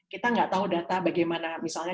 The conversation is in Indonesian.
kita nggak tahu data bagaimana misalnya